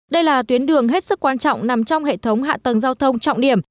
đây là tuyến đường hết sức quan trọng nằm trong hệ thống hạ tầng giao thông trọng điểm